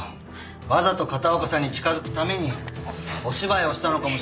わざと片岡さんに近づくためにお芝居をしたのかもしれませんよ。